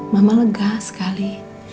mama lega sekali